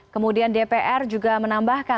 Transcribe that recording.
kemudian dpr juga menambahkan